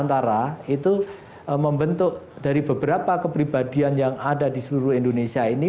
dan sma tarunanusantara itu membentuk dari beberapa kepribadian yang ada di seluruh indonesia ini